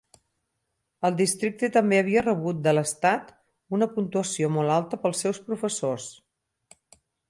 El districte també havia rebut de l"estat una puntuació molt alta pels seus professors.